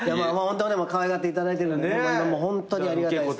かわいがっていただいてるんでホントにありがたいです。